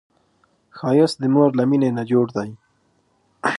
ښایست د مور له مینې نه جوړ دی